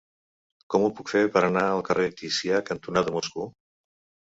Com ho puc fer per anar al carrer Ticià cantonada Moscou?